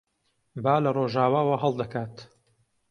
با لە ڕۆژاواوە هەڵدەکات.